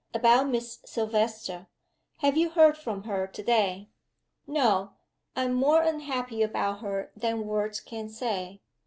About Miss Silvester? Have you heard from her to day?" "No. I am more unhappy about her than words can say."